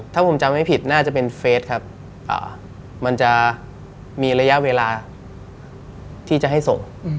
ถ้าผมจำไม่ผิดน่าจะเป็นเฟสครับมันจะมีระยะเวลาที่จะให้ส่ง